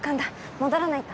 戻らないと。